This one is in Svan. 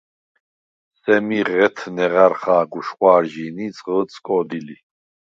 სემი ღეთ ნეღარ ხა̄გ უშხვა̄რჟი̄ნი ი ძღჷდ სკო̄დი ლი.